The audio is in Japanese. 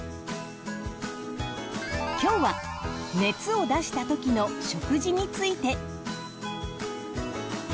今日は熱をだしたときの食事について。